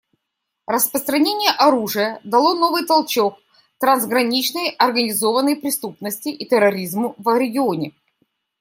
Распространение оружия дало новый толчок трансграничной организованной преступности и терроризму в регионе.